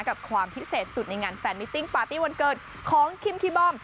กับความพิเศษสุดในงานแฟนมิติ้งปาร์ตี้วันเกิดของคิมคีย์บอม